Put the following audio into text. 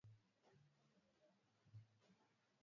shirika la afya duniani ni mwanachama